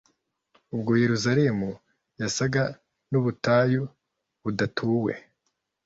ubwo yeruzalemu yasaga n'ubutayu budatuwe